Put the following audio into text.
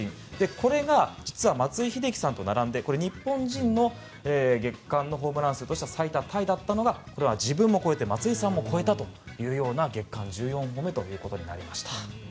これが実は松井秀喜さんと並んで日本人の月間ホームラン数として最多タイだったのが自分を超えて松井さんも超えたという月間１４本目となりました。